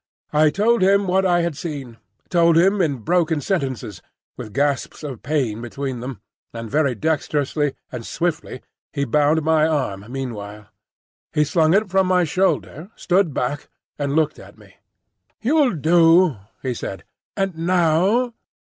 I told him what I had seen; told him in broken sentences, with gasps of pain between them, and very dexterously and swiftly he bound my arm meanwhile. He slung it from my shoulder, stood back and looked at me. "You'll do," he said. "And now?"